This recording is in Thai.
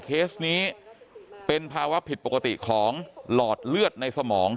เคสนี้เป็นภาวะผิดปกติของหลอดเลือดในสมอง